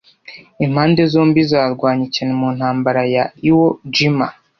Impande zombi zarwanye cyane mu ntambara ya Iwo Jima